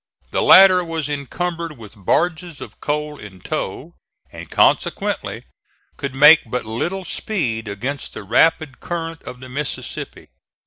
The latter was encumbered with barges of coal in tow, and consequently could make but little speed against the rapid current of the Mississippi.